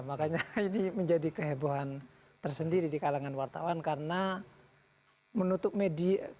makanya ini menjadi kehebohan tersendiri di kalangan wartawan karena menutup media